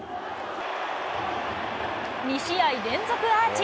２試合連続アーチ。